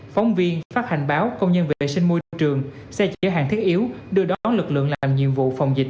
phóng viên phát hành báo công nhân vệ sinh môi trường xe chở hàng thiết yếu đưa đón lực lượng làm nhiệm vụ phòng dịch